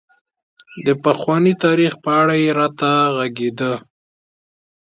د پخواني تاريخ په اړه یې راته غږېده.